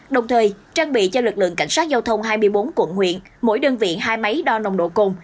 đồng thời trang bị cho lực lượng cảnh sát giao thông hai mươi bốn quận huyện mỗi đơn vị hai máy đo nồng độ cồn